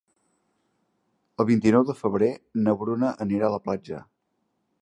El vint-i-nou de febrer na Bruna anirà a la platja.